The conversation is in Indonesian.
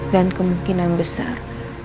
dan kemungkinan besar